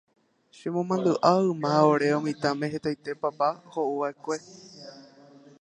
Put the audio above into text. chemomandu'a yma ore mitãme hetaite papá ho'ukava'ekue